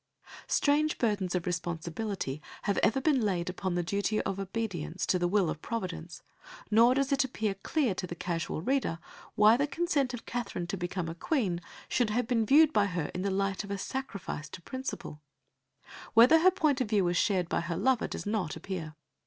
'" Strange burdens of responsibility have ever been laid upon the duty of obedience to the will of Providence, nor does it appear clear to the casual reader why the consent of Katherine to become a Queen should have been viewed by her in the light of a sacrifice to principle. Whether her point of view was shared by her lover does not appear.